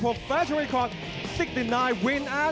และตัวเข้าทางพิธีที่สุดท้าย